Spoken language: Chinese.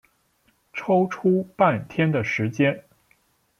抽出半天的时间